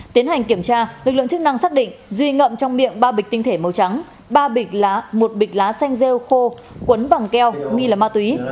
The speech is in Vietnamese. tiến hành kiểm tra lực lượng chức năng xác định duy ngậm trong miệng ba bịch tinh thể màu trắng ba bịch lá một bịch lá xanh rêu khô quấn bằng keo nghi là ma túy